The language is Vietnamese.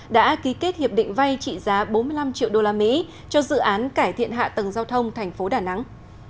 đã ký kết hiệp định vay trị giá bốn mươi năm triệu đô la mỹ cho dự án cải thiện hạ tầng giao thông thành phố đà nẵng